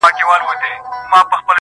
• تر ابده پر تا نوم د ښکار حرام دی -